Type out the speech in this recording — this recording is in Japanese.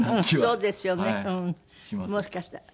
そうですよねもしかしたら。